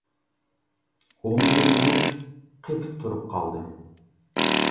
ئۇ مېنى تونۇپ، قېتىپ تۇرۇپ قالدى.